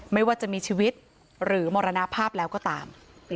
ไม่ว่าจะมีชีวิตหรือมรณภาพแล้วก็ตาม